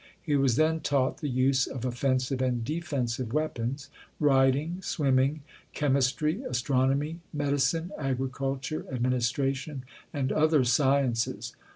He was then taught the use of offensive and defensive weapons, riding, swimming, chemistry, astronomy, medicine, agri culture, administration, and other sciences.